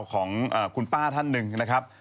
ของคุณป้าท่านหนึ่งนะครับ